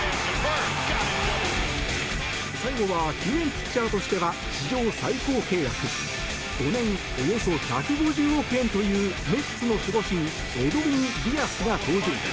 最後は救援ピッチャーとしては史上最高契約５年およそ１５０億円というメッツの守護神エドウィン・ディアスが登場。